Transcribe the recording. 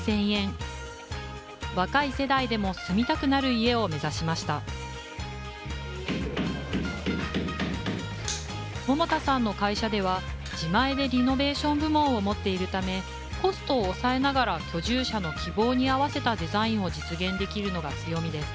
若い世代でも住みたくなる家を目指しました桃田さんの会社では自前でリノベーション部門を持っているためコストを抑えながら居住者の希望に合わせたデザインを実現できるのが強みです